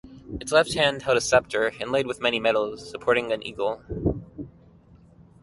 Its left hand held a scepter inlaid with many metals, supporting an eagle.